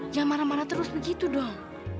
jangan marah marah terus begitu dong